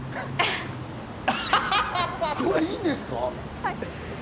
これ、いいんですか？